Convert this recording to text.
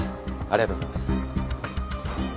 ありがとうございます。